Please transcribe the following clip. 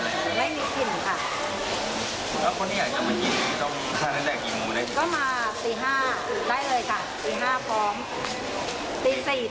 นี่ต้องกินจากกี่โมงได้ก็มาตี๕ได้เลยค่ะตี๕พร้อม